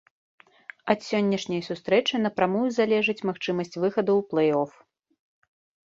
Ад сённяшняй сустрэчы напрамую залежыць магчымасць выхаду ў плэй-оф.